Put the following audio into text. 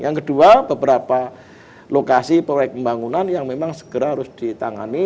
yang kedua beberapa lokasi proyek pembangunan yang memang segera harus ditangani